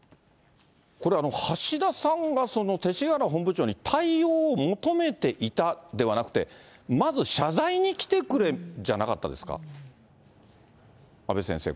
これ、橋田さんが勅使河原本部長に対応を求めていたではなくて、まず、謝罪に来てくれじゃなかったですか？